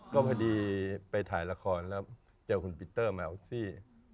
ก็พอดีไปถ่ายละครแล้วเจอคุณปีเตอร์แมวซี่